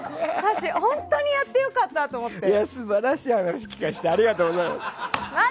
本当にやって良かったと思って。